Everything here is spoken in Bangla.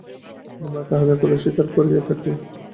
আমরা তাঁহাদের কথা স্বীকার করিয়া থাকি।